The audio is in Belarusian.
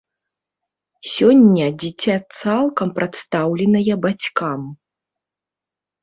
Сёння дзіця цалкам прадастаўленае бацькам.